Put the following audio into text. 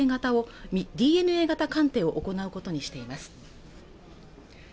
ＤＮＡ鑑定を行うことにしています